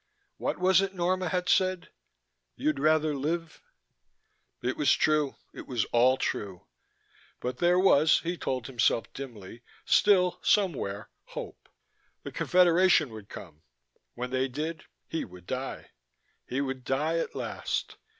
What was it Norma had said? "You'd rather live...." It was true, it was all true. But there was (he told himself dimly) still, somewhere, hope: the Confederation would come. When they did, he would die. He would die at last.